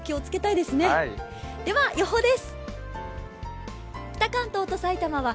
では予報です。